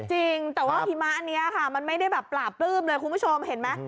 จริงแต่ว่าหิมะอันนี้ค่ะมันไม่ได้แบบปลาปลื้มเลยคุณผู้ชมเห็นไหม